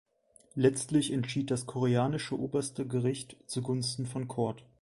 Letztlich entschied das koreanische oberste Gericht zugunsten von Cort.